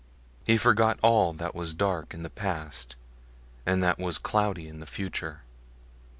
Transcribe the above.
He forgot all that was dark in the past and that was cloudy in the future.